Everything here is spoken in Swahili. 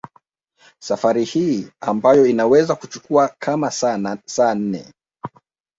Safari hii ambayo inaweza kuchukua kama saa nne